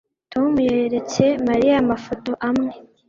Tom yeretse Mariya amafoto amwe